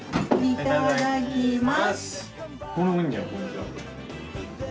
いただきます。